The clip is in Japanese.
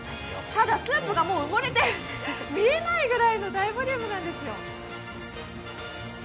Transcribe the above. ただ、スープがもう埋もれて見えないぐらいの大ボリュームなんですよ。